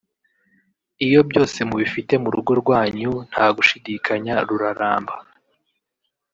iyo byose mubifite mu rugo rwanyu nta gushidikanya ruraramba